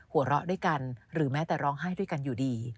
หัวเราะด้วยกันหรือแม้แต่ร้องไห้ด้วยกันอยู่ดี